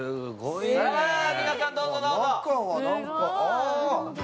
皆さんどうぞどうぞ。